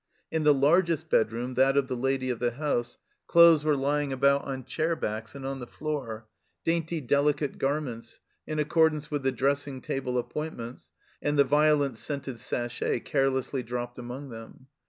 In the largest bedroom, that of the lady of the house, clothes were lying about on chair backs and on the floor dainty delicate garments, in accord ance with the dressing table appointments, and the violet scented sachet carelessly dropped among them.